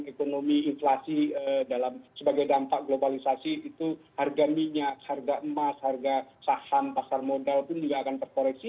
ekonomi inflasi dalam sebagai dampak globalisasi itu harga minyak harga emas harga saham pasar modal pun juga akan terkoreksi